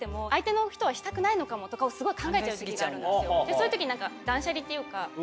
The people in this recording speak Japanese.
そういう時断捨離っていうか。